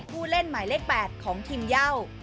ผู้เล่นหมายเลข๘ของทีมเย่า